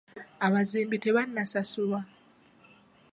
Abazimbi tebannasasulwa.